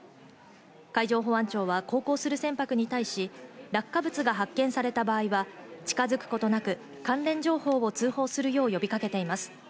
海上保安庁は航行する船舶に対し、落下物が発見された場合は近づくことなく関連情報を通報するよう呼びかけています。